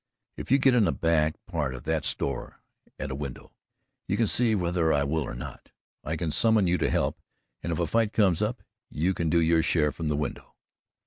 "If you get in the back part of that store at a window, you can see whether I will or not. I can summon you to help, and if a fight comes up you can do your share from the window."